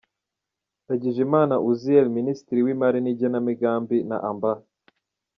Ndagijimana Uzziel, Minisitiri w’Imari n’igenamigambi na Amb.